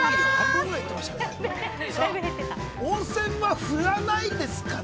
温泉は振らないですかね。